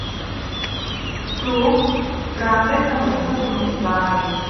กรู๊ฟ ร้างได้เสมอต้นเสมอปลาย